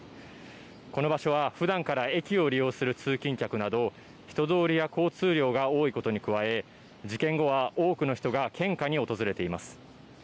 この場所はふだんから駅を利用する通勤客など、人通りや交通量が多いことに加え、事件後は多くの人が献花に訪れています。